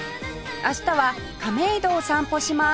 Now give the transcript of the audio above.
明日は亀戸を散歩します